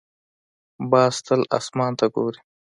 باز تل اسمان ته ګوري